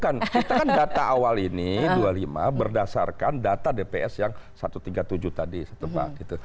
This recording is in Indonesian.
kita kan data awal ini dua puluh lima berdasarkan data dps yang satu ratus tiga puluh tujuh tadi setebak